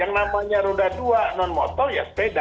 yang namanya roda dua non motor ya sepeda